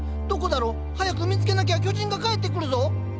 どこだろ？早く見つけなきゃ巨人が帰ってくるぞ。